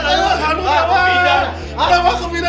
kamu mau ke bidan